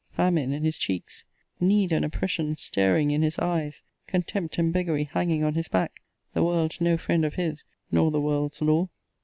Famine in his cheeks: Need and oppression staring in his eyes: Contempt and beggary hanging on his back: The world no friend of his, nor the world's law.